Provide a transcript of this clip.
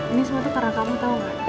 ini semua tuh karena kamu tau gak